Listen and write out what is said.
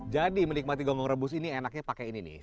jadi menikmati gonggong rebus ini enaknya pakai ini nih